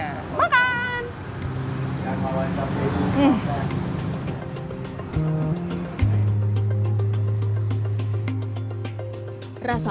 masih ada yang mau makan